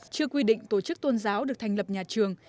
chưa quy định tổ chức tôn giáo được thành lập nhà trường